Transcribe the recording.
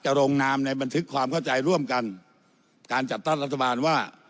ลงนามในบันทึกความเข้าใจร่วมกันการจัดตั้งรัฐบาลว่า